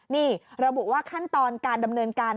นี่ระบุว่าขั้นตอนการดำเนินการ